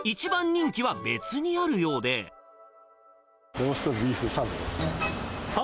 ローストビーフサンド。